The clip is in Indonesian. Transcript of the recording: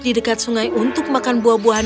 di dekat sungai untuk makan buah buahan